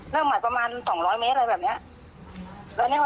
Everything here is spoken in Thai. เราก็ตกตรงแล้วก็โดนตับ